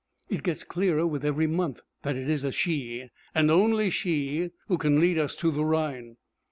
It gets clearer with every month that it is she, and only she, who can lead us to the Rhine.